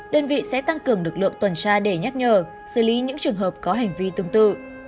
đơn vị sẽ tăng cường lực lượng tuần tra để nhắc nhở xử lý những trường hợp có hành vi tương tự